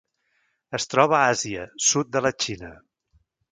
Es troba a Àsia: sud de la Xina.